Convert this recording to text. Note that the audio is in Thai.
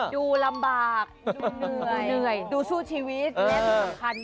ดูลำบากดูเหนื่อยดูสู้ชีวิตและสำคัญ